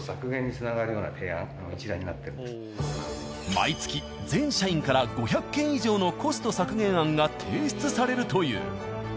毎月全社員から５００件以上のコスト削減案が提出されるという。